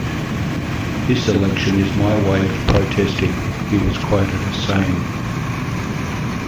"This election is my way of protesting," he was quoted as saying.